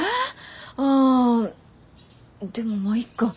あでもまあいいか。